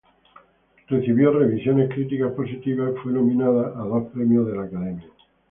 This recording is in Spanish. Recibió revisiones críticas positivas y fue nominada a dos Premios de la Academia.